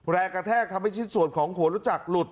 แรงกระแทกทำให้ชิ้นส่วนของหัวรู้จักหลุด